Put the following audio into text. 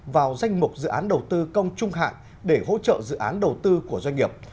vào danh mục dự án đầu tư công trung hạn để hỗ trợ dự án đầu tư của doanh nghiệp